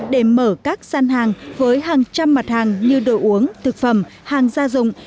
để mở các gian hàng với hàng trăm mặt hàng như đồ uống thực phẩm hàng gia dụng